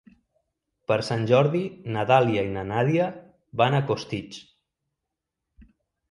Per Sant Jordi na Dàlia i na Nàdia van a Costitx.